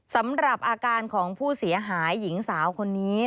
สำหรับอาการของผู้เสียหายหญิงสาวคนนี้